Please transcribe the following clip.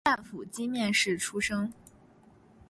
大阪府箕面市出生。